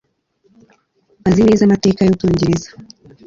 azi neza amateka y'ubwongereza